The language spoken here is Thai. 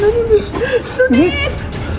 โน้นโน้นโน้น